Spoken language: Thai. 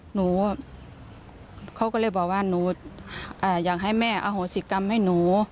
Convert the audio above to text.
เขาก็เลยบอกว่าหนูอยากให้แม่อโหสิกรรมให้หนู